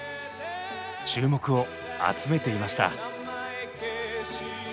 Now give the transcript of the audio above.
注目を集めていました。